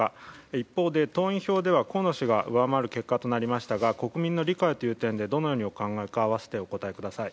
一方で、党員票では河野氏が上回る結果となりましたが国民の理解という点でどのようにお考えかお答えください。